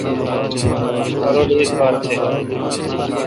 مہ رل اعبار تھ۔